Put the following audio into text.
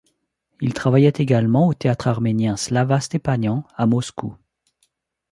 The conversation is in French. Il travaillait également au théâtre arménien Slava Stepanian à Moscou.